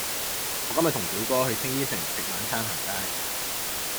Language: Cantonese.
我今日同表哥去青衣城食晚餐行街